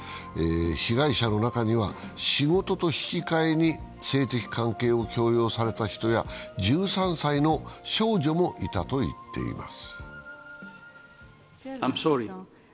被害者の中には、仕事と引き換えに性的関係を強要された人や１３歳の少女もいたといっています。